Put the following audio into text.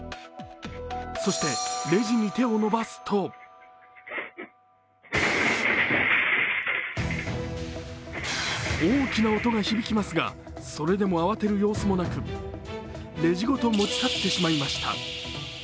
そしてレジに手を伸ばすと大きな音が響きますが、それでも慌てる様子もなくレジごと持ち去ってしまいました。